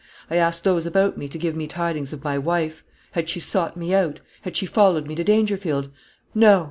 I asked those about me to give me tidings of my wife. Had she sought me out? had she followed me to Dangerfield? No!